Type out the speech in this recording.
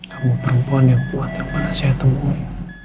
kamu perempuan yang kuat yang pernah saya temui